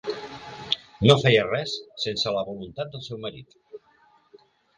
No feia res sense la voluntat del seu marit.